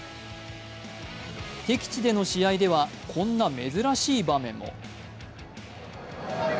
敵地での試合では、こんな珍しい場面も。